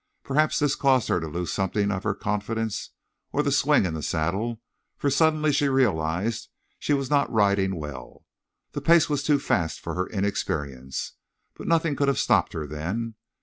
Perhaps this caused her to lose something of her confidence, or her swing in the saddle, for suddenly she realized she was not riding well. The pace was too fast for her inexperience. But nothing could have stopped her then.